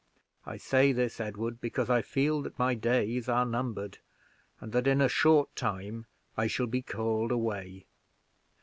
I say this, Edward, because I feel that my days are numbered, and that in a short time I shall be called away.